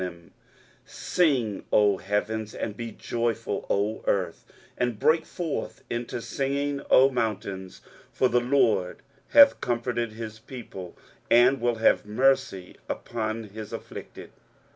23:049:013 Sing, O heavens; and be joyful, O earth; and break forth into singing, O mountains: for the LORD hath comforted his people, and will have mercy upon his afflicted.